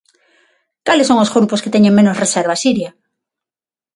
Cales son os grupos que teñen menos reservas, Iria?